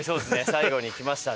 最後にきましたね。